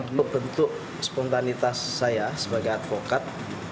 itu bentuk spontanitas saya sebagai advokat